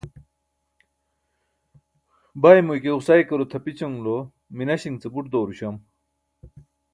baymo ike ġusaykaro tʰapićanulo minaśiṅ ce buṭ dooruśam